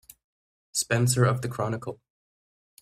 Spencer of the Chronicle.